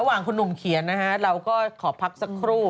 อย่างคุณหนุ่มเขียนนะฮะเราก็ขอพักสักครู่